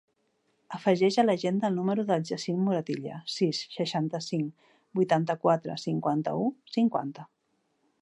Afegeix a l'agenda el número del Yassine Moratilla: sis, seixanta-cinc, vuitanta-quatre, cinquanta-u, cinquanta.